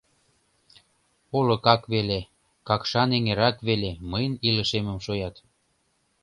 Олыкак веле, Какшан эҥерак веле мыйын илышемым шуят.